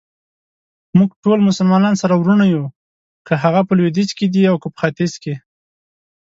موږټول مسلمانان سره وروڼه يو ،که هغه په لويديځ کې دي اوکه په ختیځ.